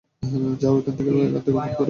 যাও এখন তাকে ফোন করো।